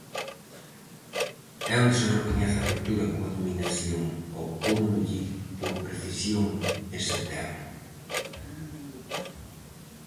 E onde se recoñece a ruptura coa dominación, opóndolle con precisión ese termo.